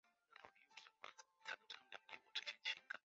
饭山站铁路车站。